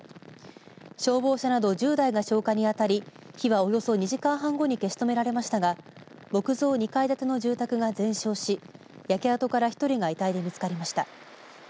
消防車など１０台が消火に当たり火はおよそ２時間半後に消し止められましたが木造２階建ての住宅が全焼し焼け跡から１人が遺体で見つかりました。